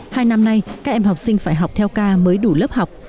hai năm nay các em học sinh phải học theo ca mới đủ lớp học